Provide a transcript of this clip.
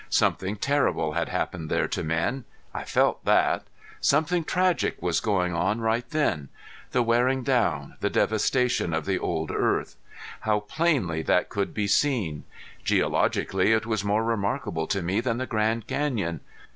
Something terrible had happened there to men. I felt that. Something tragic was going on right then the wearing down, the devastation of the old earth. How plainly that could be seen! Geologically it was more remarkable to me than the Grand Canyon.